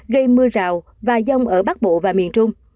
gây mưa rào và giông ở bắc bộ và miền trung